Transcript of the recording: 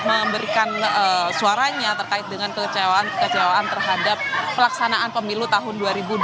memberikan suaranya terkait dengan kekecewaan terhadap pelaksanaan pemilu tahun dua ribu dua puluh